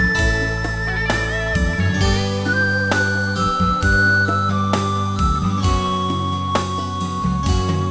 ครับ